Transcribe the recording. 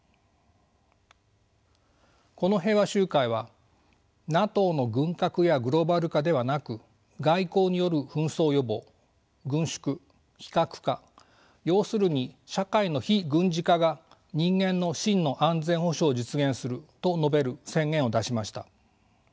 この平和集会は「ＮＡＴＯの軍拡やグローバル化ではなく外交による紛争予防軍縮非核化要するに社会の非軍事化が人間の真の安全保障を実現する」と述べる宣言を出しました。